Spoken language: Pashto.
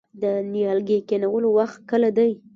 د نیالګي کینولو وخت کله دی؟